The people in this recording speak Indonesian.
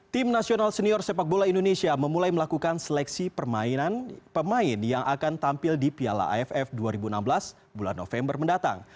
tim nasional senior sepak bola indonesia memulai melakukan seleksi pemain yang akan tampil di piala aff dua ribu enam belas bulan november mendatang